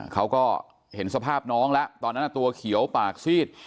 เขาก็เห็นสภาพน้องแล้วตอนนั้นตัวเขียวปากซีด